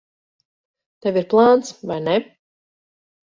Tev ir plāns, vai ne?